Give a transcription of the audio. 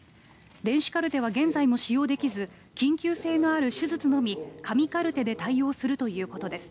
電子カルテは現在も使用できず緊急性のある手術のみ紙カルテで対応するということです。